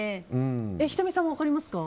仁美さんも分かりますか？